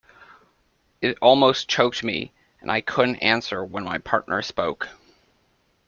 It almost choked me, and I couldn’t answer when my partner spoke.